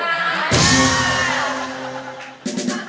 ใช่